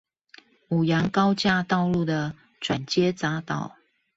五楊高架道路的轉接匝道